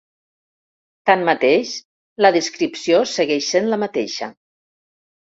Tanmateix, la descripció segueix sent la mateixa.